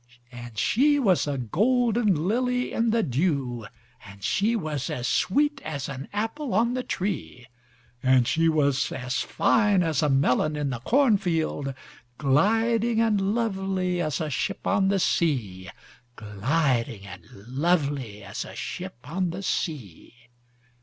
And she was a golden lily in the dew. And she was as sweet as an apple on the tree. And she was as fine as a melon in the corn field, Gliding and lovely as a ship on the sea, Gliding and lovely as a ship on the sea.